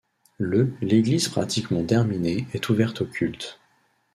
Le l’église pratiquement terminée est ouverte au culte.